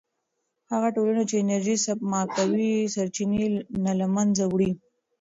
هغه ټولنه چې انرژي سپما کوي، سرچینې نه له منځه وړي.